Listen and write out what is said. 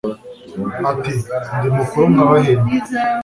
ati ndi mukuru nkabahenda